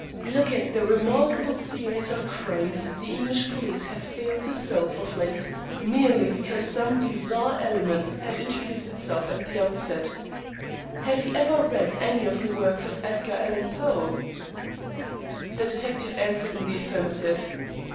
Look at the remarkable series of crimes the English police have failed to solve of late, merely because some bizarre element had intruded itself at the outset. Have you ever read any of the works of Edgar Allan Poe?" The detective answered in the affirmative.